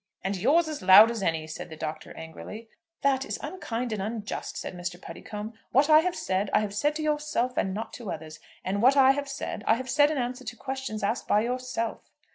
"And yours as loud as any," said the Doctor, angrily. "That is unkind and unjust," said Mr. Puddicombe. "What I have said, I have said to yourself, and not to others; and what I have said, I have said in answer to questions asked by yourself."